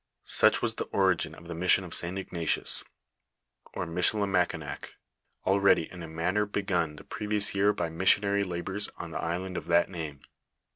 Such was the ori^ i of the mission of St. Ignatius, or Michilimackinac, already in a manner begun the previous year by missionary labors on the island of that name.